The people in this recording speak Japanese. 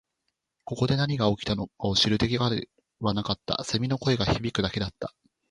ここで何が起きたのかを知る手がかりはなかった。蝉の声が響くだけだった。